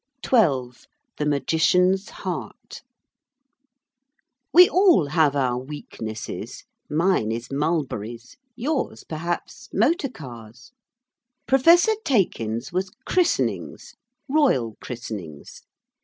XII THE MAGICIAN'S HEART We all have our weaknesses. Mine is mulberries. Yours, perhaps, motor cars. Professor Taykin's was christenings royal christenings.